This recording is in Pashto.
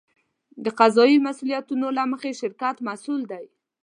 د قضایي مسوولیتونو له مخې شرکت مسوول دی.